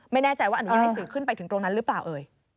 ไม่แน่ใจว่าอนุญาตให้สื่อขึ้นไปถึงตรงนั้นหรือเปล่าเอ่ย